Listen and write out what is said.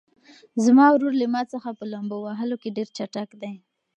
زما ورور له ما څخه په لامبو وهلو کې ډېر چټک دی.